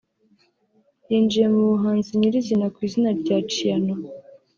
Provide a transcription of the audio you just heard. yinjiye mu buhanzi nyirizina ku izina rya Ciano